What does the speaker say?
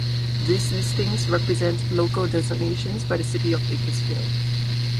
These listings represent local designations by the City of Bakersfield.